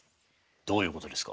どういうことですか？